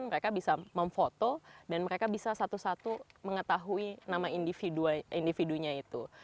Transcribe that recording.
mereka bisa memfoto dan mereka bisa satu satu mengetahui nama individunya itu